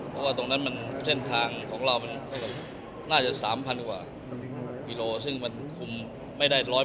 เพราะว่าตรงนั้นมันเส้นทางของเรามันน่าจะ๓๐๐กว่ากิโลซึ่งมันคุมไม่ได้๑๐